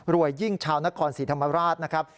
ยิ่งชาวนครศรีธรรมราชนะครับ